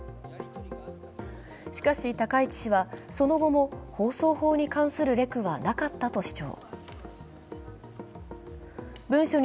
しかし、高市氏はその後も放送法に関するレクはなかったと主張。